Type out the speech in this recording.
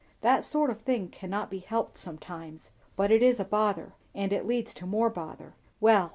"That sort of thing cannot be helped sometimes, but it is a bother, and it leads to more bother. Well!